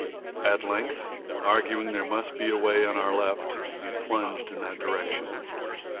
At length, arguing that there must be a way on our left, we plunged in that direction.